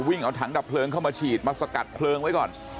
วิ่งเอาถังดับเพลิงเข้ามาฉีดมาสกัดเพลิงไว้ก่อน